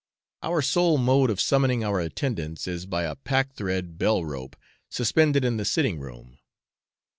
Our sole mode of summoning our attendants is by a packthread bell rope suspended in the sitting room.